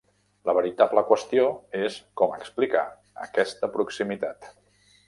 La veritable qüestió és com explicar aquesta proximitat.